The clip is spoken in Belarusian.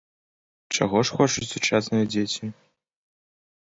Чаго ж хочуць сучасныя дзеці?